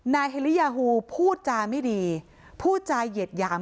เฮลียาฮูพูดจาไม่ดีพูดจาเหยียดหยาม